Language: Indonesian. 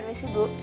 poin beri's ibu